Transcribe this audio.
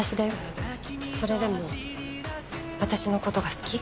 それでも私の事が好き？